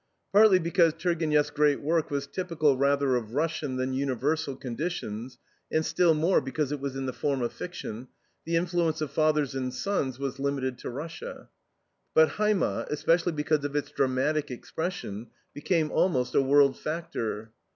Partly because Turgeniev's great work was typical rather of Russian than universal conditions, and still more because it was in the form of fiction, the influence of FATHERS AND SONS was limited to Russia. But HEIMAT, especially because of its dramatic expression, became almost a world factor.